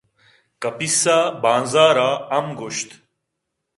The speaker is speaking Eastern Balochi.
کپیس ءَ بانز ءَرا ہم گوٛشت